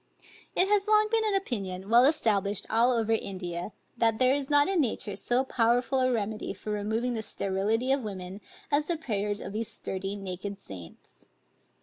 It has long been an opinion, well established all over India, that there is not in nature so powerful a remedy for removing the sterility of women, as the prayers of these sturdy naked saints.